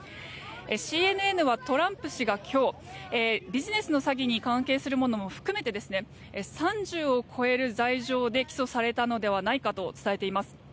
ＣＮＮはトランプ氏が今日ビジネスの詐欺に関係するものも含めて３０を超える罪状で起訴されたのではないかと伝えています。